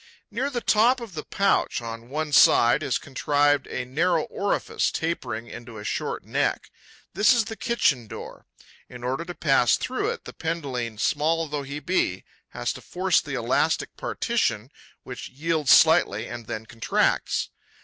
Near the top of the pouch, on one side, is contrived a narrow orifice, tapering into a short neck. This is the kitchen door. In order to pass through it, the Penduline, small though he be, has to force the elastic partition, which yields slightly and then contracts.